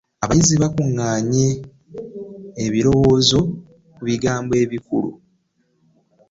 Abayizi bakubaganye ebirowoozo ku bigambo ebikulu.